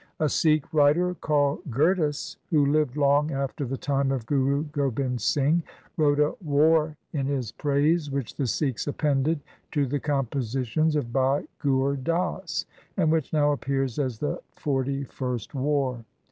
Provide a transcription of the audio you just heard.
A Sikh writer called Gurdas, who lived long after the time of Guru Gobind Singh, wrote a War in his praise which the Sikhs appended to the compositions of Bhai Gur Das, and which now appears as the forty first War.